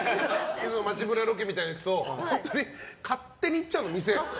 いつも街ブラロケみたいなの行くと本当に勝手に行っちゃうの、店。